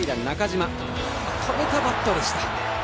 止めたバットでした。